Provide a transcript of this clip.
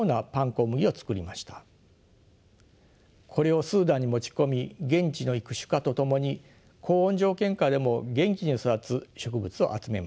これをスーダンに持ち込み現地の育種家と共に高温条件下でも元気に育つ植物を集めました。